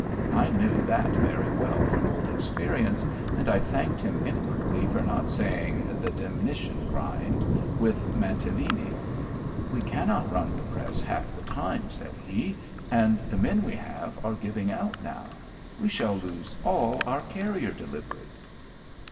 I knew that very well from old experience, and I thanked him inwardly for not saying "the demnition grind," with Mantilini. "We cannot run the press half the time," said he; "and the men we have are giving out now. We shall lose all our carrier delivery."